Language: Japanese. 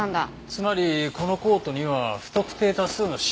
つまりこのコートには不特定多数の指紋が付いている。